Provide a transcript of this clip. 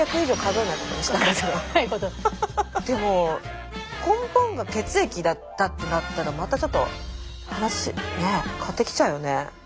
でも根本が血液だったってなったらまたちょっと話変わってきちゃうよね。